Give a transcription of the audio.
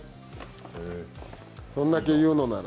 そんだけ言うのなら。